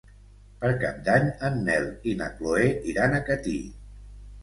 Per Cap d'Any en Nel i na Chloé iran a Catí.